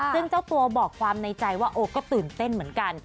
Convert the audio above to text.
ซึ่งเจ้าตัวบอกความในใจว่าโอ้ก็ตื่นเต้นเหมือนกัน